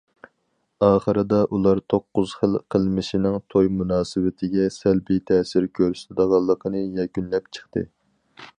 ئاخىرىدا ئۇلار توققۇز خىل قىلمىشنىڭ توي مۇناسىۋىتىگە سەلبىي تەسىر كۆرسىتىدىغانلىقىنى يەكۈنلەپ چىقتى.